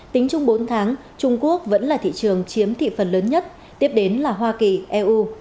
tính chung bốn tháng trung quốc vẫn là thị trường chiếm thị phần lớn nhất tiếp đến là hoa kỳ eu